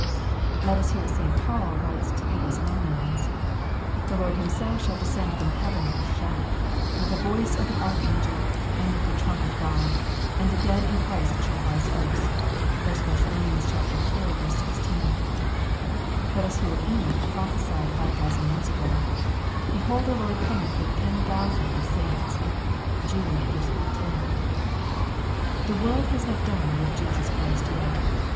Let us hear what St. Paul writes to the Thessalonians :" The Lord Himself shall descend from heaven with a shout, with the voice of the archangel, and with the trump of God : and the dead in Christ shall rise first." (1 Thess. iv. 16.) Let us hear what Enoch prophesied 5000 years ago: "Behold, the Lord cometh with ten thousands of His saints." (Jude 14.) The world has not done with Jesus Christ yet.